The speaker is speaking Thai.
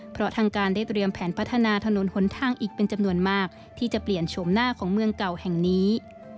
เพราะทางการได้เตรียมแผนพัฒนาถนนหนทางอีกเป็นจำนวนมากที่จะเปลี่ยนโฉมหน้าของเมืองเก่าแห่งนี้